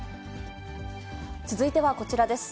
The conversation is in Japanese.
続いてはこちらです。